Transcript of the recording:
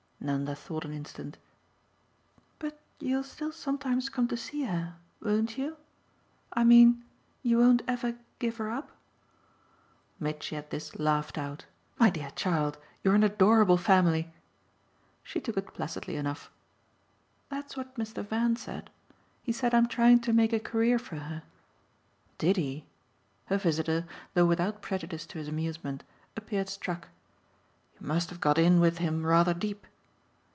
Nanda thought an instant. "But you'll still sometimes come to see her, won't you? I mean you won't ever give her up?" Mitchy at this laughed out. "My dear child, you're an adorable family!" She took it placidly enough. "That's what Mr. Van said. He said I'm trying to make a career for her." "Did he?" Her visitor, though without prejudice to his amusement, appeared struck. "You must have got in with him rather deep."